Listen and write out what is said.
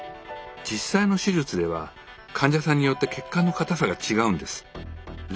実際の手術では患者さんによって血管の硬さが違うんです。